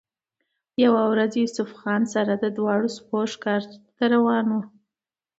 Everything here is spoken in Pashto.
يوه ورځ يوسف خان سره د دواړو سپو ښکار له روان وۀ